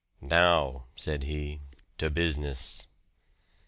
"Now," said he. "To business!"